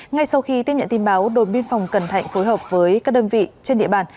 ngay sau khi tiếp nhận tin báo đồn biên phòng cần thạnh phối hợp với các đơn vị trên địa bàn